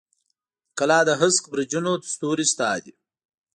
د کلا د هسک برجونو ستوري ستا دي